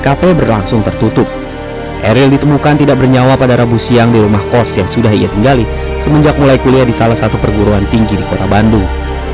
kaka kandung almarhum emil dardak mengatakan keluarga sengaja menolak proses autopsi karena telah mengikhlaskan kepergian almarhum